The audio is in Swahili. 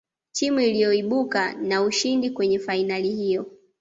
timu iliyoibuka na ushindi kwenye fainali hiyo